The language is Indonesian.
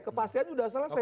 kepastian sudah selesai